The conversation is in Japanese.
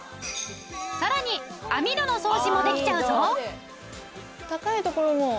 さらに網戸の掃除もできちゃうぞ。